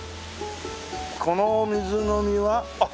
この水飲みはあっ！